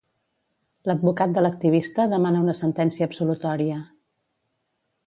L'advocat de l'activista demana una sentència absolutòria.